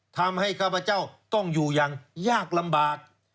ข้าพเจ้าต้องอยู่อย่างยากลำบาก